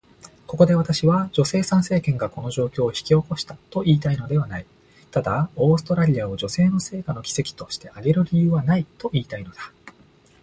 ここで私は、女性参政権がこの状況を引き起こしたと言いたいのではない。ただ、オーストラリアを女性の成果の奇跡として挙げる理由はないと言いたいのだ。